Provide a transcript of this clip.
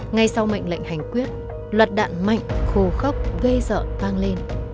ngay sau mệnh lệnh hành quyết loạt đạn mạnh khô khốc gây sợ vang lên